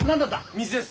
水です！